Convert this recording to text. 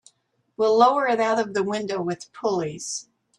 We'll lower it out of the window with pulleys.